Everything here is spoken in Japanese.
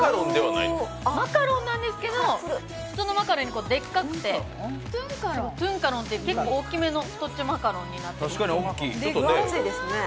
マカロンなんですけど、普通のマカロンよりでっかくて、トゥンカロンという、結構大きめの太っちょマカロンです。